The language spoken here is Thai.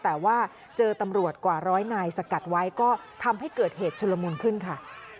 แต่ว่าเจอตำรวจกว่าร้อยนายสกัดไว้ก็ทำให้เกิดเหตุชุลมุนขึ้นค่ะ